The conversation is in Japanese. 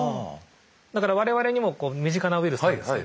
だから我々にも身近なウイルスなんですけど。